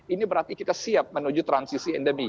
ini berarti kita siap menuju terakhir